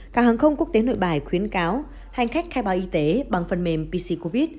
càng hàng không quốc tế nội bài khuyến cáo hành khách khai báo y tế bằng phần mềm pc covid